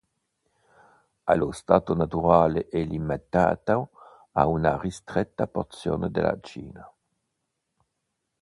Allo stato naturale è limitata a una ristretta porzione della Cina.